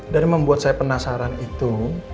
dan membuat saya penasaran itu